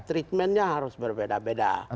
treatmentnya harus berbeda beda